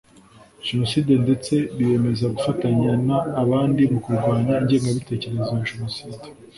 jenoside ndetse biyemeza gufatanya n abandi mu kurwanya ingengabitekerezo ya jenoside